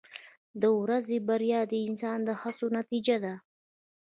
• د ورځې بریا د انسان د هڅو نتیجه ده.